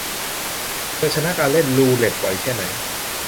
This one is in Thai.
เธอชนะการเล่นรูเล็ต บ่อยแค่ไหน ?